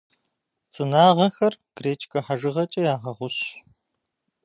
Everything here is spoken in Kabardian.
Цӏынагъэхэр гречкэ хьэжыгъэкӏэ ягъэгъущ.